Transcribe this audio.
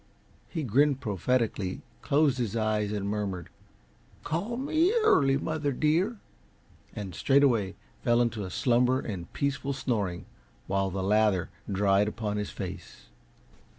He grinned prophetically, closed his eyes and murmured: "Call me early, mother dear," and straightway fell away into slumber and peaceful snoring, while the lather dried upon his face.